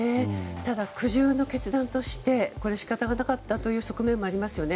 ただ、苦渋の決断として仕方がなかった側面もありますよね。